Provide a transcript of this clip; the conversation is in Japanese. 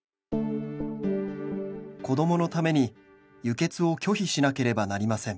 「子供のために輸血を拒否しなければなりません」